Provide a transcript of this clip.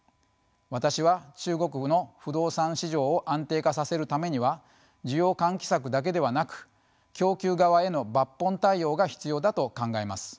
私は中国の不動産市場を安定化させるためには需要喚起策だけではなく供給側への抜本対応が必要だと考えます。